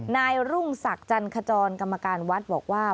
นายรุ่งศักดิ์จันขจรกรรมการวัดบอกว่า